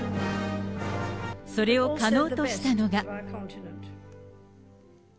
それを可能としたのが。